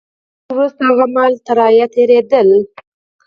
تر لږ ځنډ وروسته هغه مهال الوتکه تېرېدله